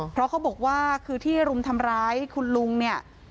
เพราะเขาบอกว่าคือที่รุมทำร้ายคุณลุงเนี่ย